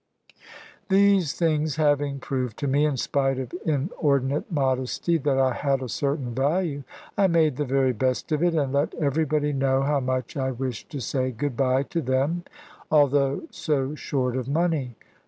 These things having proved to me, in spite of inordinate modesty, that I had a certain value, I made the very best of it; and let everybody know how much I wished to say "Good bye" to them, although so short of money.